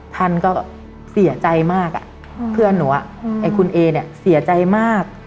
ท่านก็เสียใจมากอ่ะเพื่อนหนูไอ้คุณเอเนี่ยเสียใจมาก